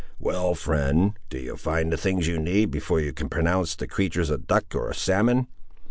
"Well, friend, do you find the things you need, before you can pronounce the creatur' a duck or a salmon?"